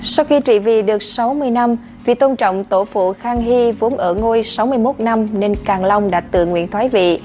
sau khi trị vị được sáu mươi năm vì tôn trọng tổ phụ khang hy vốn ở ngôi sáu mươi một năm nên càng long đã tự nguyện thoái vị